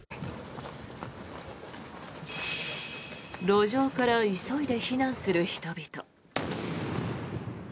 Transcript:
路上から急いで避難する人々。